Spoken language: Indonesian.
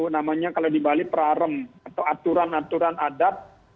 namanya kalau di bali perarem atau aturan aturan adat